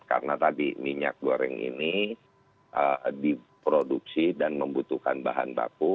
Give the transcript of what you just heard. karena tadi minyak goreng ini diproduksi dan membutuhkan bahan baku